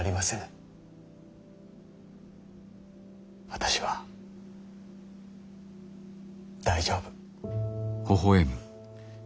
私は大丈夫。